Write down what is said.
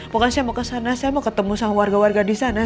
pokoknya saya mau ke sana saya mau ketemu sama warga warga di sana